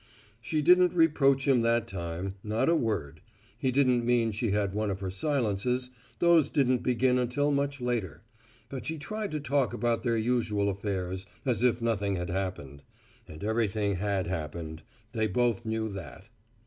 She didn't reproach him that time not a word. He didn't mean she had one of her silences those didn't begin until much later; but she tried to talk about their usual affairs, as if nothing had happened. And everything had happened. They both knew that.